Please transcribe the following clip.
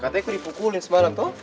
katanya kok dipukulin semalam tuh